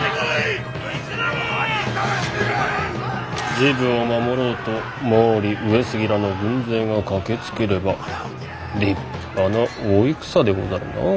治部を守ろうと毛利上杉らの軍勢が駆けつければ立派な大戦でござるなあ。